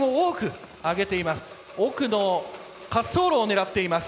奥の滑走路を狙っています。